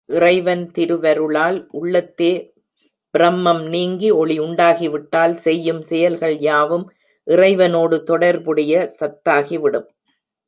இறைவன் திருவருளால் உள்ளத்தே ப்ரமம் நீங்கி ஒளி உண்டாகிவிட்டால் செய்யும் செயல்கள் யாவும் இறைவனோடு தொடர்புடைய சத்தாகிவிடும்.